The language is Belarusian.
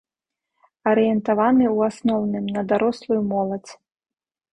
Арыентаваны ў асноўным на дарослую моладзь.